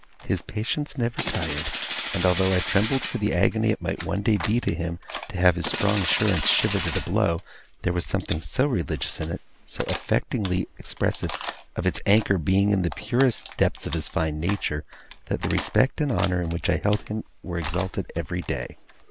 His patience never tired. And, although I trembled for the agony it might one day be to him to have his strong assurance shivered at a blow, there was something so religious in it, so affectingly expressive of its anchor being in the purest depths of his fine nature, that the respect and honour in which I held him were exalted every day.